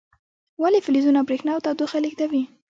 ولې فلزونه برېښنا او تودوخه لیږدوي؟